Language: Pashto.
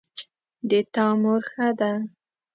د تا مور ښه ده